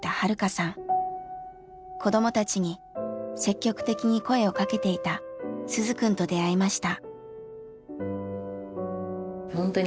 子どもたちに積極的に声をかけていた鈴くんと出会いました。